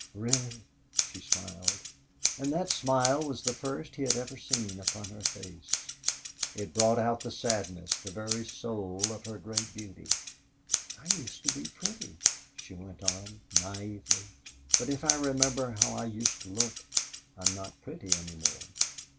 "Really?" she smiled, and that smile was the first he had ever seen upon her face. It brought out the sadness, the very soul of her great beauty. "I used to be pretty," she went on, naively. "But if I remember how I used to look I'm not pretty any more."